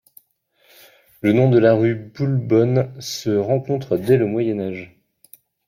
Le nom de la rue Boulbonne se rencontre dès le Moyen Âge.